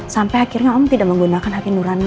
sampai akhirnya om tidak menggunakan hati nurani